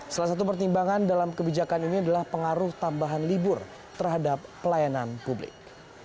salah satu pertimbangan dalam kebijakan ini adalah pengaruh tambahan libur terhadap pelayanan publik